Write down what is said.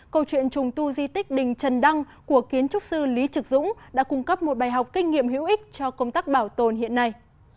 câu chuyện trùng tu di tích đình trần đăng của kiến trúc sư lý trực dũng đã cung cấp một bài học kinh nghiệm hữu ích cho công tác bảo tồn hiện nay